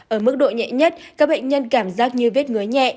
ở mức độ nhẹ nhất các bệnh nhân cảm giác như vết ngứa nhẹ